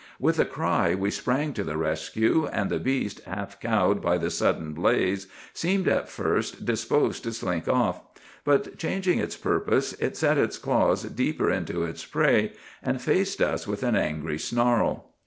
"With a cry we sprang to the rescue, and the beast, half cowed by the sudden blaze, seemed at first disposed to slink off; but, changing its purpose, it set its claws deeper into its prey, and faced us with an angry snarl.